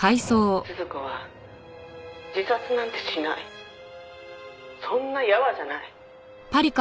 「都々子は自殺なんてしない」「そんな柔じゃない」